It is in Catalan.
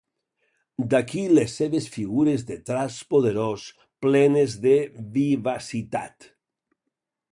D'aquí les seves figures de traç poderós, plenes de vivacitat.